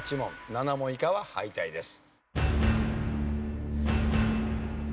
７問以下は敗退です。